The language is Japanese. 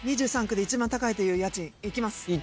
２３区で一番高いという家賃いきます。